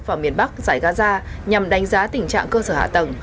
vào miền bắc giải gaza nhằm đánh giá tình trạng cơ sở hạ tầng